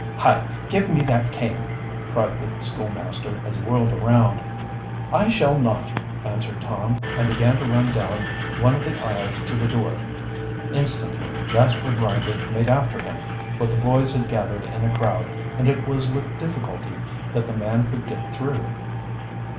"Hi! give me that cane!" cried the schoolmaster, as he whirled around. "I shall not," answered Tom, and began to run down one of the aisles to the door. Instantly Jasper Grinder made after him. But the boys had gathered in a crowd, and it was with difficulty that the man could get through.